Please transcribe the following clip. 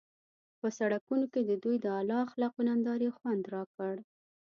په سړکونو کې د دوی د اعلی اخلاقو نندارې خوند راکړ.